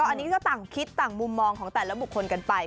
อันนี้ก็ต่างคิดต่างมุมมองของแต่ละบุคคลกันไป